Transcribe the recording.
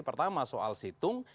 pertama soal situng